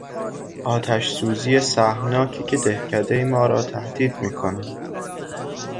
آتش سوزی سهمناکی که دهکدهی ما را تهدید می کند